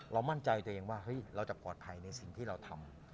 มั่นใจตัวเองว่าเฮ้ยเราจะปลอดภัยในสิ่งที่เราทำ